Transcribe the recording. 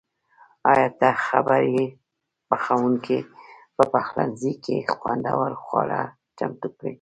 ایا ته خبر یې؟ پخونکي په پخلنځي کې خوندور خواړه چمتو کړي.